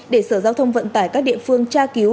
để sở giao thông vận tải các địa phương tra cứu